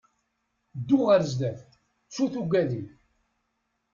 Ddu ɣer sdat, ttu tuggadin!